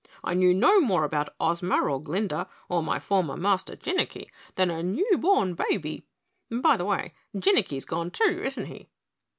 I knew no more about Ozma, or Glinda, or my former master Jinnicky than a new born baby. By the way, Jinnicky's gone too, isn't he?"